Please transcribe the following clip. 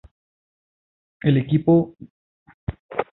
El equipo olímpico turcomano no obtuvo ninguna medalla en estos Juegos.